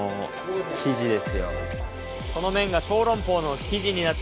この麺が小籠包の生地になって行きます。